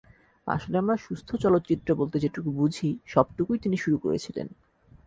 আসলে আমরা সুস্থ চলচ্চিত্র বলতে যেটুকু বুঝি, সবটুকুই তিনি শুরু করেছিলেন।